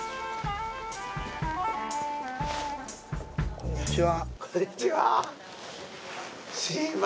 こんにちは。